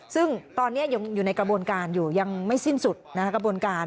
ซึ่งตอนนี้ยังอยู่ในกระบวนการอยู่ยังไม่สิ้นสุดกระบวนการ